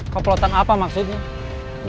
komplotan apa maksudnya